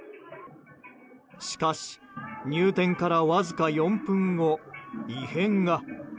しかし、入店からわずか４分後異変が。